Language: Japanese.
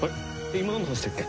今なんの話だっけ？